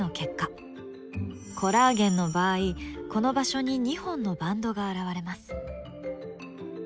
コラーゲンの場合この場所に２本のバンドが現れます。